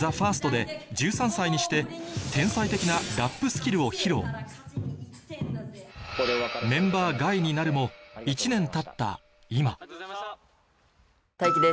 ＴＨＥＦＩＲＳＴで１３歳にして天才的なラップスキルを披露メンバー外になるも１年たった今ありがとうございました！